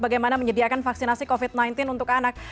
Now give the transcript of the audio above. bagaimana menyediakan vaksinasi covid sembilan belas untuk anak